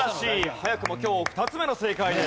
早くも今日２つ目の正解です。